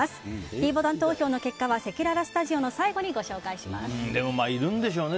ｄボタン投票の結果はせきららスタジオの最後にいるんでしょうね。